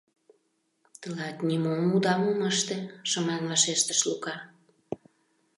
— Тылат нимом удам ом ыште, — шыман вашештыш Лука.